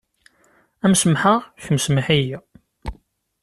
Am semḥeɣ, kemm semḥ-iyi.